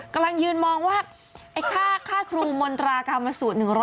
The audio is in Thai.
กำลังยืนมองว่าค่าครูมนตรากามาสุทธิ์